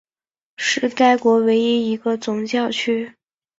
是该国唯一一个总教区。